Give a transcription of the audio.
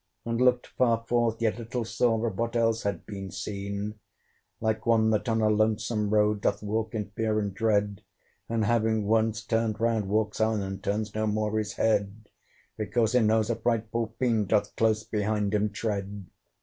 And looked far forth, yet little saw Of what had else been seen Like one that on a lonesome road Doth walk in fear and dread, And having once turned round walks on, And turns no more his head; Because he knows, a frightful fiend Doth close behind him tread.